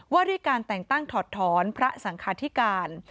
ว่าด้วยการแต่งตั้งถอดถอนพระสังคาธิการ